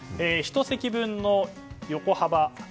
１席分の横幅